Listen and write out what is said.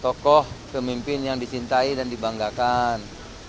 tokoh pemimpin yang dicintai dan dibanggakan